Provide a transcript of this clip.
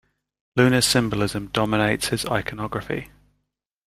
Lunar symbolism dominates his iconography.